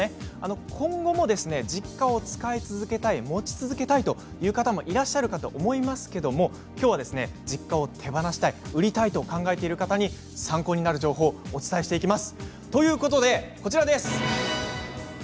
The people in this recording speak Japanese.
今後も実家を使い続けたい持ち続けたいという方もいらっしゃると思いますがきょうは実家を手放したい売りたいと考えている方に参考になる情報をお伝えしていきます。